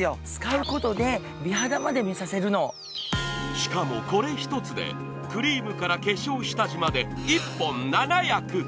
しかもこれ１つでクリームから化粧下地まで１本７役。